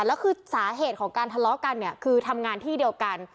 แล้วคือสาเหตุของการทะเลาะกันเนี่ยคือทำงานที่เดียวกัน